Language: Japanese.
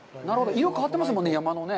色が変わってますもんね、山のね。